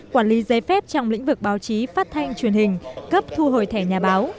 quản lý giấy phép trong lĩnh vực báo chí phát thanh truyền hình cấp thu hồi thẻ nhà báo